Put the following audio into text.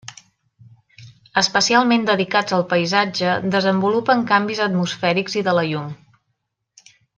Especialment dedicats al paisatge, desenvolupen canvis atmosfèrics i de la llum.